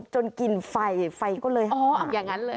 จนกินไฟไฟก็เลยออกอย่างนั้นเลย